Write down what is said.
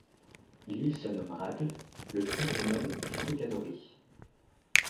L’île se nomme Raghles, le trou se nomme Frugadory.